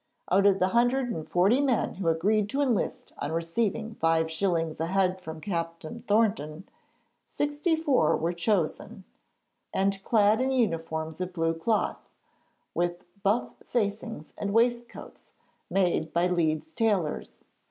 Out of the hundred and forty men who agreed to enlist on receiving five shillings a head from Captain Thornton, sixty four were chosen and clad in uniforms of blue cloth, with buff facings and waistcoats, made by Leeds tailors.